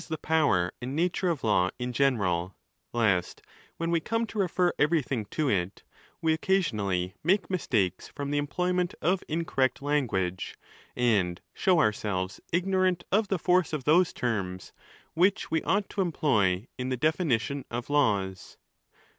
the power and nature of law in general ; lest, when we come to refer everything to it, we occasionally make mistakes from the employment of incorrect language, and show ourselves ignorant of the force of those terms which we ought to em ploy in the definition of laws.